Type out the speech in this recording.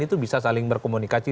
itu bisa saling berkomunikasi